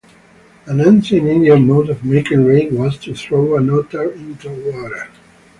An ancient Indian mode of making rain was to throw an otter into water.